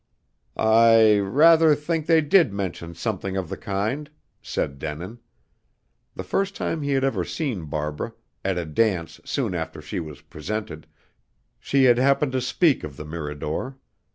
"I rather think they did mention something of the kind," said Denin. The first time he had ever seen Barbara, at a dance soon after she was presented, she had happened to speak of the Mirador.